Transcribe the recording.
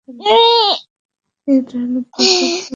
এটা হলো দেশ, এগুলো হলো দ্বীপ।